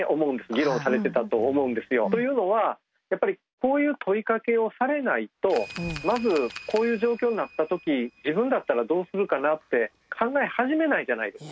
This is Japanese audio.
議論されてたと思うんですよ。というのはやっぱりこういう問いかけをされないとまずこういう状況になった時自分だったらどうするかなって考え始めないじゃないですか。